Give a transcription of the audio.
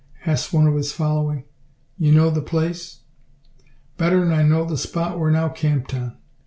asks one of his following. "You know the place?" "Better'n I know the spot we're now camped on.